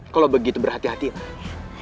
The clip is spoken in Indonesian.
kalau begitu berhati hatilah